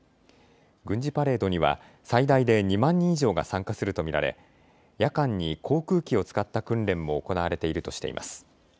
軍事パレートには最大で２万人以上が参加すると見られ夜間に航空機を使った訓練も行われているとしています。